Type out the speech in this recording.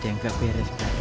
ada yang gak beres berarti